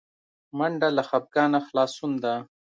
منډه له خپګانه خلاصون ده